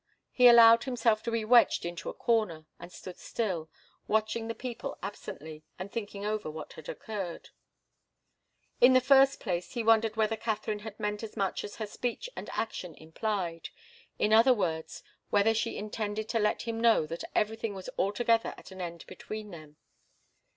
He allowed himself to be wedged into a corner, and stood still, watching the people absently, and thinking over what had occurred. In the first place, he wondered whether Katharine had meant as much as her speech and action implied in other words, whether she intended to let him know that everything was altogether at an end between them.